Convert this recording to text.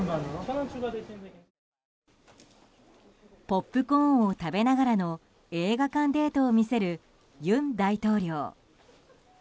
ポップコーンを食べながらの映画館デートを見せる尹大統領。